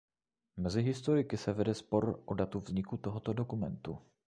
Mezi historiky se vede spor o datu vzniku tohoto dokumentu.